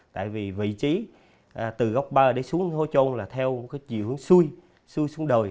tại vì vị trí từ góc ba để xuống hô trôn là theo chiều hướng xuôi xuôi xuống đồi